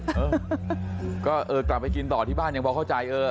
เออก็เออกลับไปกินต่อที่บ้านยังพอเข้าใจเออ